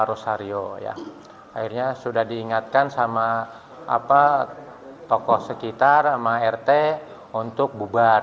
rosario ya akhirnya sudah diingatkan sama apa tokoh sekitar sama rt untuk bubar